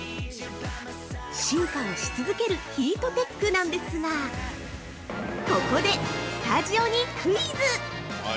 進化をし続けるヒートテックなんですがここでスタジオにクイズ！！